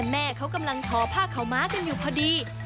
แม่เขากำลังทอผ้าขาวม้ากันอยู่พอดี